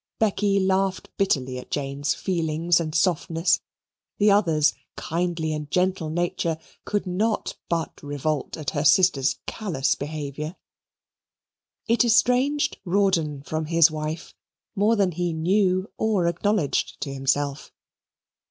Becky laughed bitterly at Jane's feelings and softness; the other's kindly and gentle nature could not but revolt at her sister's callous behaviour. It estranged Rawdon from his wife more than he knew or acknowledged to himself.